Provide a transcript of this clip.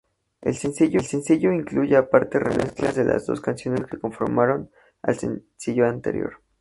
El sencillo incluye aparte remezclas de las dos canciones que conformaron el sencillo anterior.